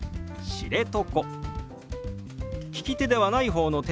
「知床」。